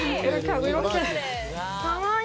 かわいい！